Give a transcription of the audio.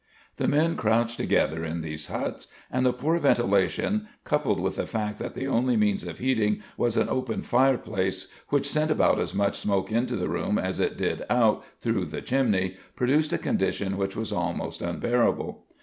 The men crouched together in those huts and the poor ventilation coupled with the fact that the only means of heating was an open fire place which sent about as much smoke into the room as it did out through the chimney produced a condition which was almost unbearable.